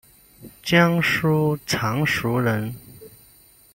江苏常熟人。